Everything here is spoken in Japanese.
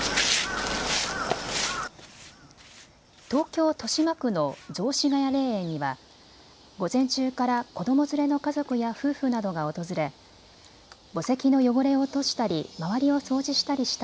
東京豊島区の雑司ヶ谷霊園には午前中から子ども連れの家族や夫婦などが訪れ墓石の汚れを落としたり周りを掃除したりした